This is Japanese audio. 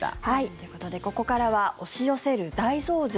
ということで、ここからは押し寄せる大増税？